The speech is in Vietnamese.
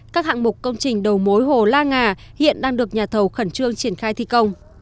các hạng mục công trình đầu mối hồ la ngà hiện đang được nhà thầu khẩn trương triển khai thi công